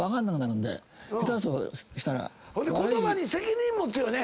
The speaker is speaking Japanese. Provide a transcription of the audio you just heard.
ほんで言葉に責任持つよね。